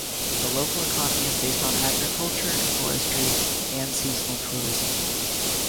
The local economy is based on agriculture and forestry, and seasonal tourism.